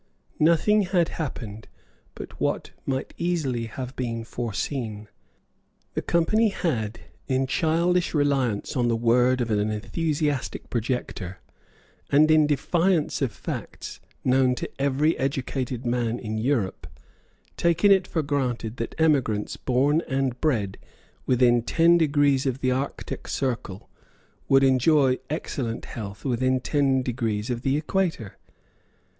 Nothing had happened but what might easily have been foreseen. The Company had, in childish reliance on the word of an enthusiastic projector, and in defiance of facts known to every educated man in Europe, taken it for granted that emigrants born and bred within ten degrees of the Arctic Circle would enjoy excellent health within ten degrees of the Equator.